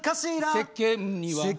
「世間には」